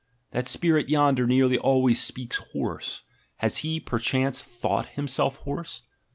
That spirit yonder nearly always speaks hoarse: has he, per chance, thought himself hoarse?